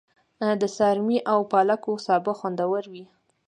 د څارمي او پالکو سابه خوندور وي.